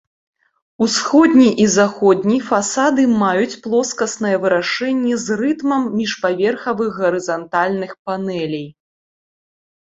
Усходні і заходні фасады маюць плоскаснае вырашэнне з рытмам міжпаверхавых гарызантальных панэлей.